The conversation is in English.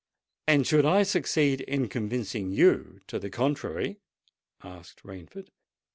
"And should I succeed in convincing you to the contrary?" asked Rainford.